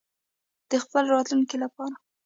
د خپل راتلونکي لپاره.